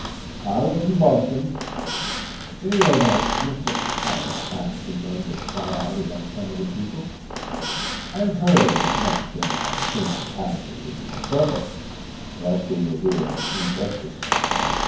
"I was in Boston." "Do you know that Mr. Parris hath begun to cry out against some of the people?" "I have heard as much, and I think the pastor should be more careful, lest he will do an injustice."